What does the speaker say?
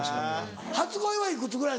初恋は幾つぐらい？